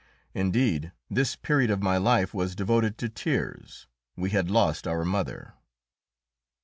Indeed, this period of my life was devoted to tears: we had lost our mother.